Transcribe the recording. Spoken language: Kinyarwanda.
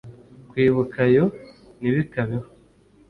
kwibuka oya ntibikabeho